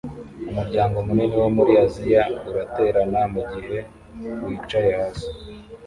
Umuryango munini wo muri Aziya uraterana mugihe wicaye hasi